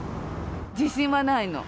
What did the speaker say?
自信はないの。